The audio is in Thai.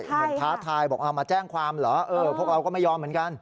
ท้าทายบอกเอามาแจ้งความเหรอพวกเราก็ไม่ยอมเหมือนกัน